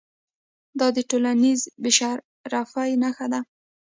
دا د ټولنیز بې شرفۍ نښه ده.